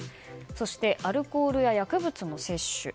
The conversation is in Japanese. そしてアルコールや薬物の摂取。